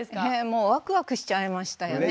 もうワクワクしちゃいましたよね。